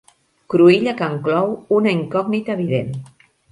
Cruïlla que enclou una incògnita evident.